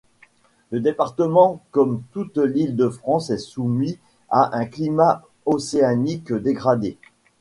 Le département comme toute l'Île-de-France est soumis à un climat océanique dégradé.